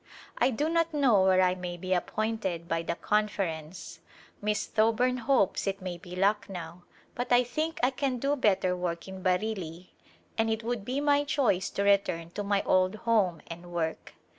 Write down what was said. I do not know where I may be appointed by the Conference ; Miss Thoburn hopes it mav be Lucknow but I think I can do better work in Bareilly, and it would be my choice to return to my old home and work.